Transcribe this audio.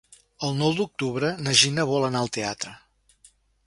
El nou d'octubre na Gina vol anar al teatre.